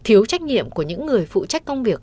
thiếu trách nhiệm của những người phụ trách công việc